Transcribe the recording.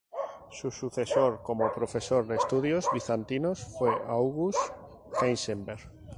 Su sucesor como profesor de Estudios Bizantinos fue August Heisenberg.